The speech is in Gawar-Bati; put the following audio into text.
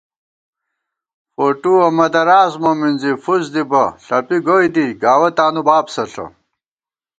فوٹُوَہ مہ دراس مو مِنزی فُس دِبہ ݪَپی گوئی دی گاوَہ تانُو بابسہ ݪہ